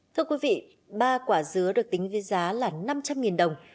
thưa quý vị ba quả dứa được tính với giá là năm trăm linh đồng